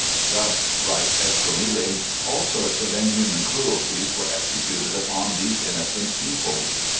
"Thus," writes Esquemeling, "all sort of inhuman cruelties were executed upon these innocent people.